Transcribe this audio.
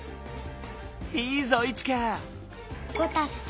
いいぞイチカ！